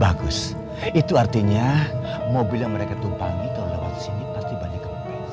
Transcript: bagus itu artinya mobil yang mereka tumpang itu lewat sini pasti balik